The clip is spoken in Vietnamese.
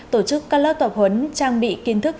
tổ chức các lớp tập huấn trang bị kiến thức